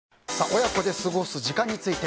親子で過ごす時間について。